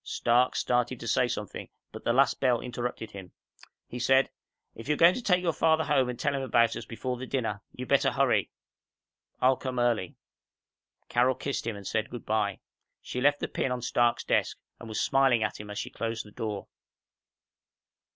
Stark started to say something, but the last bell interrupted him. He said, "If you're going to take your father home and tell him about us before the dinner, you'd better hurry. I'll come early." Carol kissed him and said good by. She left the pin on Stark's desk and was smiling at him as she closed the door.